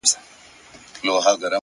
ریښتینی ځواک په ځان کنټرول کې دی